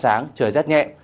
sáng trời rất nhẹ